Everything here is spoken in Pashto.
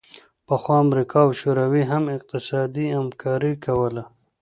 پخوا امریکا او شوروي هم اقتصادي همکاري کوله